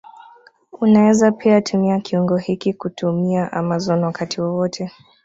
Unaweza pia tumia kiungo hiki kutumia Amazon wakati wowote